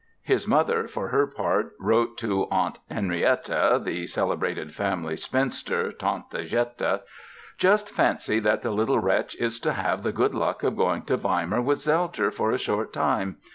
His mother, for her part, wrote to Aunt Henrietta (the celebrated family spinster, "Tante Jette"): "Just fancy that the little wretch is to have the good luck of going to Weimar with Zelter for a short time.